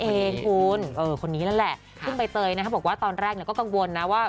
เอคุณเออคนนี้นั่นแหละซึ่งใบเตยนะฮะบอกว่าตอนแรกเนี่ยก็กังวลนะว่า